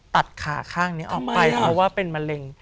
ตัดขาข้างนี้ออกไปเพราะว่าเป็นมะเร็ง